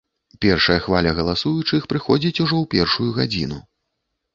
Першая хваля галасуючых прыходзіць ужо ў першую гадзіну.